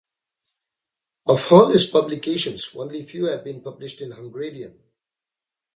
Of all his publications only few have been published in Hungarian.